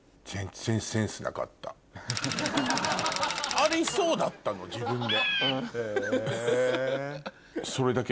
ありそうだったの自分で。